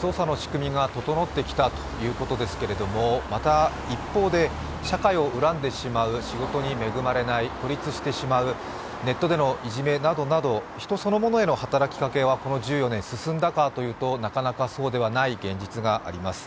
捜査の仕組みが整ってきたということですけれども、また一方で、社会を恨んでしまう仕事に恵まれない、孤立してしまう、ネットでのいじめなどなど、人そのものへの働きかけはこの１４年、進んだかというとなかなかそうではない現実があります。